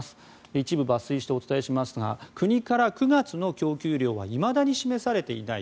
一部抜粋してお伝えしますが国から９月の供給量はいまだに示されていない。